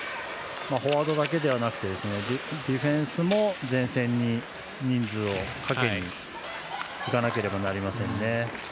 フォワードだけではなくてディフェンスも前線に人数をかけていかなければなりませんね。